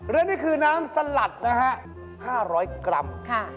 เรื่องนี้คือน้ำสลัดนะครับ๕๐๐กรัม